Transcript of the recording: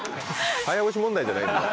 早押し問題じゃないんで。